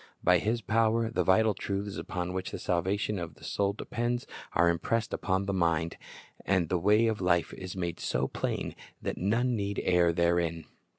By His power the vital truths upon which the salvation of the soul depends are impressed upon the mind, and the way of life is made so plain that none need err therein.